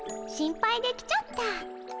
心配で来ちゃった。